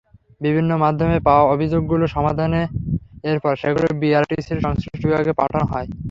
বিভিন্ন মাধ্যমে পাওয়া অভিযোগগুলো সমাধানে এরপর সেগুলো বিটিআরসির সংশ্লিষ্ট বিভাগে পাঠানো হয়।